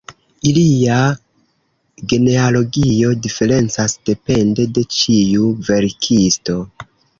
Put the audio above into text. Ilia genealogio diferencas depende de ĉiu verkisto.